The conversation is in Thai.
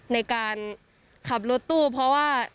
ในการขับรถตู้เพราะว่า